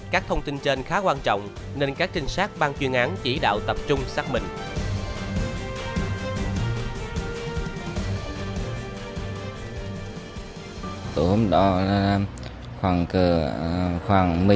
các thông tin trên khá quan trọng nên các trinh sát bang chuyên án chỉ đạo tập trung xác minh